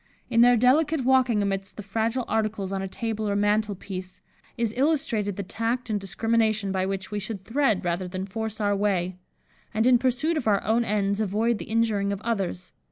In their delicate walking amidst the fragile articles on a table or mantel piece, is illustrated the tact and discrimination by which we should thread rather than force our way; and, in pursuit of our own ends, avoid the injuring of others.